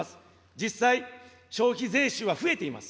実際、消費税収は増えています。